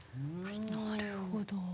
なるほど。